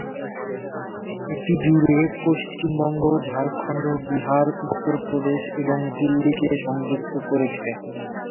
এটি জুড়ে, পশ্চিমবঙ্গ, ঝাড়খণ্ড, বিহার, উত্তরপ্রদেশ এবং দিল্লি-কে সংযুক্ত করেছে।